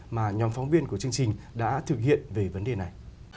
mà nhóm phóng viên của chương trình đã thực hiện về vấn đề này